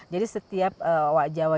jadi setiap owa jawa